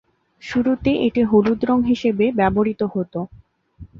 শুরুতে এটি হলুদ রঙ হিসেবে ব্যবহৃত হত।